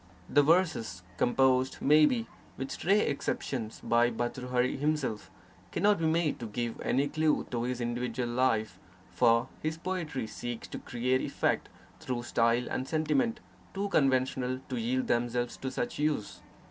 The verses, composed — may be, with stray excep tions — by Bhartrhari himself, cannot be made to give any clue to his individual life, for his poetry seeks to create effect through style and sentiment too conventional to yield themselves to such use.